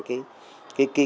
để làm cái